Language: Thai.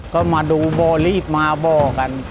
ก็มาดูบ่อรีบมาบ่อกัน